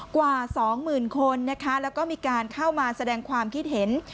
กว่าสองหมื่นคนนะคะแล้วก็มีการเข้ามาแสดงความคิดเห็น